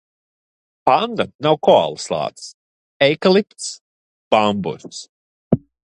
Panda nav koalas lācis. Eikalipts, bambuss.